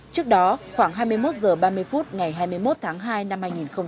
trước đó khoảng hai mươi một h ba mươi phút ngày hai mươi một tháng hai năm hai nghìn hai mươi